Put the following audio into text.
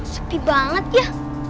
seti banget ya